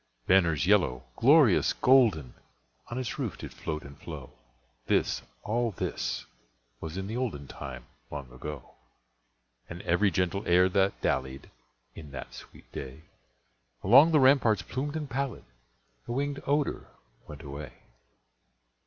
Banners yellow, glorious, golden, On its roof did float and flow, (This—all this—was in the olden Time long ago,) And every gentle air that dallied, In that sweet day, Along the ramparts plumed and pallid, A wingèd odor went away.